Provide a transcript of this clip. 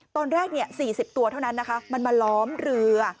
ตอนแรก๔๐ตัวเท่านั้นนะคะมันมาล้อมเรือ